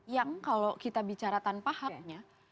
yang kalau kita bicara tanpa haknya